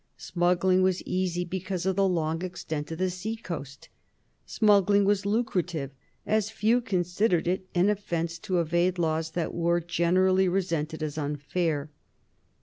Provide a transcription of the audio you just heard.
Smuggling was easy because of the long extent of sea coast. Smuggling was lucrative, as few considered it an offence to evade laws that were generally resented as unfair.